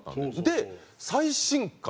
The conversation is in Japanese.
で最新刊。